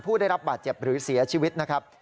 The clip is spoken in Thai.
ผู้ได้รับบาดเจ็บหรือเสียชีวิตนะครับ